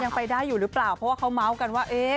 มันยังไปได้อยู่หรือเปล่าเพราะว่าเขาม้าวกันว่า